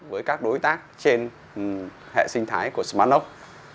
với các đối tác trên hệ sinh thái của smartlock